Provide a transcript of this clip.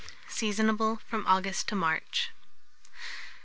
Seasonable from August to March.